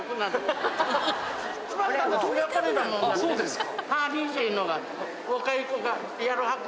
そうですか。